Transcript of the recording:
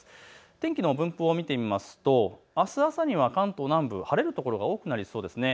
天気の分布を見ていきますとあす朝には関東南部は晴れる所が多くなりそうです。